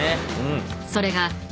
［それが］